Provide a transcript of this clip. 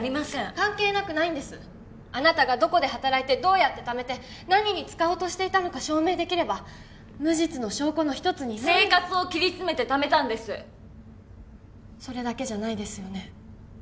関係なくないんですあなたがどこで働いてどうやってためて何に使おうとしていたのか証明できれば無実の証拠の一つに生活を切り詰めてためたんですそれだけじゃないですよね？